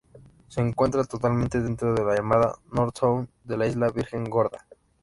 Se encuentra totalmente dentro de la llamada "North Sound" de la isla Virgen Gorda.